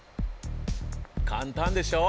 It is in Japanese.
簡単でしょ？